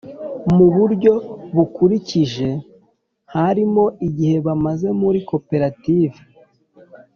mu buryo bukurikije harimo igihe bamaze muri koperative